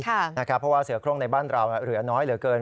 เพราะว่าเสือโครงในบ้านเราเหลือน้อยเหลือเกิน